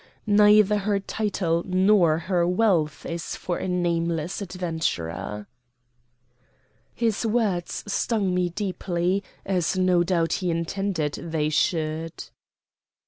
Neither her title nor her wealth is for a nameless adventurer." His words stung me deeply, as no doubt he intended they should.